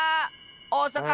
おおさか